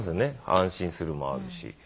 安心するもあるし。